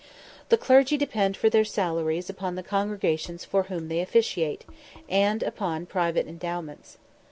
The clergy depend for their salaries upon the congregations for whom they officiate, and upon private endowments.